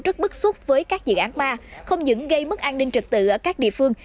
rất bức xúc với các dự án ma không những gây mất an ninh trật tự ở các địa phương